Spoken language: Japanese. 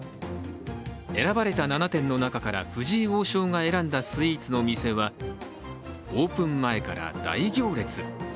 選ばれた７点の中から、藤井王将が選んだスイーツの店はオープン前から大行列。